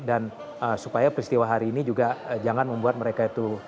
dan supaya peristiwa hari ini juga jangan membuat mereka itu